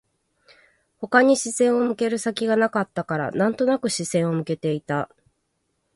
他に視線を向ける先がなかったから、なんとなく視線を向けていた